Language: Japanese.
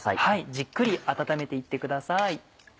じっくり温めて行ってください。